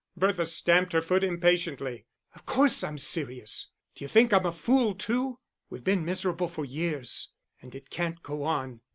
Bertha stamped her foot impatiently. "Of course I'm serious. Do you think I'm a fool too? We've been miserable for years, and it can't go on.